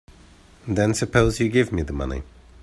Then suppose you give me the money.